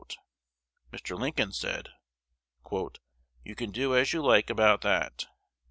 Mr. Lincoln said, "You can do as you like about that."